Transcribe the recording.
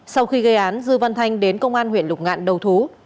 sau khi gây án dư văn thanh đến công an huyện lục ngạn đầu thú